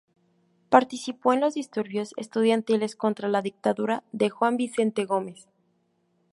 Participó en los disturbios estudiantiles contra la dictadura de Juan Vicente Gómez.